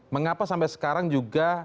mengapa sampai sekarang juga